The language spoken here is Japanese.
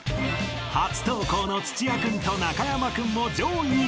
［初登校の土屋君と中山君も上位に］